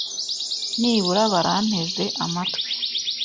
Nibura baranteze amatwi.